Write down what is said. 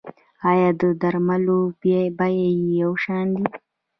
آیا د درملو بیې یو شان دي؟